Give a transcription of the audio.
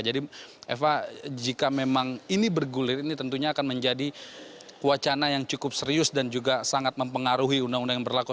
jadi eva jika memang ini bergulir ini tentunya akan menjadi wacana yang cukup serius dan juga sangat mempengaruhi undang undang yang berlaku